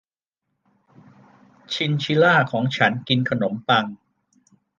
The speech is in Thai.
ชินชิล่าของฉันกินขนมปัง